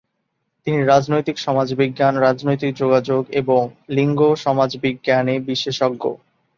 তিনি রাজনৈতিক সমাজবিজ্ঞান, রাজনৈতিক যোগাযোগ এবং লিঙ্গ সমাজবিজ্ঞানে বিশেষজ্ঞ।